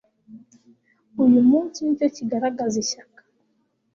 Uyu munsi nicyo kigaragaza ishyaka